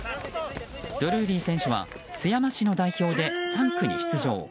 ドルーリー選手は津山市の代表で３区に出場。